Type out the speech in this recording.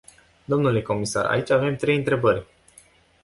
Dle comisar, aici avem trei întrebări.